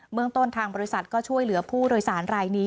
เมืองต้นทางบริษัทก็ช่วยเหลือผู้โดยสารรายนี้